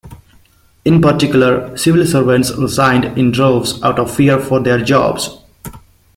In particular, civil servants resigned in droves out of fear for their jobs.